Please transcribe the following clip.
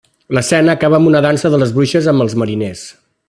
L'escena acaba amb una dansa de les bruixes amb els mariners.